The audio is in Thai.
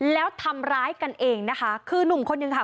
แล้วทำร้ายกันเองนะคะคือนุ่มคนนึงค่ะ